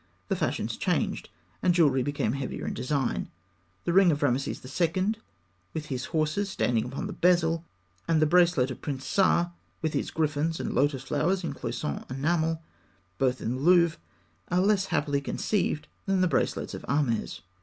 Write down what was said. The fashions changed, and jewellery became heavier in design. The ring of Rameses II., with his horses standing upon the bezel (fig. 308), and the bracelet of Prince Psar, with his griffins and lotus flowers in cloisonné enamel (fig. 309), both in the Louvre, are less happily conceived than the bracelets of Ahmes.